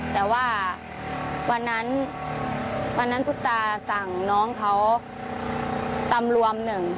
แต่ว่าวันนั้นวันนั้นตุ๊กตาสั่งน้องเขาตำรวมหนึ่ง